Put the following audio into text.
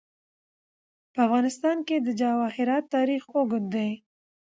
په افغانستان کې د جواهرات تاریخ اوږد دی.